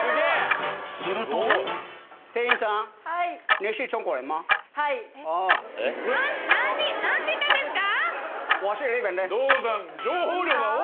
すると何て言ったんですか？